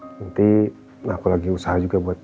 nanti aku lagi usaha juga buat